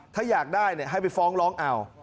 ถ้าอยากได้ให้ไปฟ้องร้องเอา